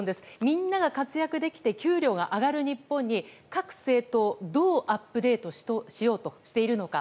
みんなが活躍できて給料が上がる日本に各政党、どうアップデートしようとしているのか。